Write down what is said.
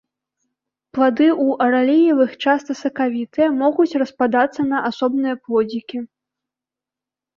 Плады ў араліевых часта сакавітыя, могуць распадацца на асобныя плодзікі.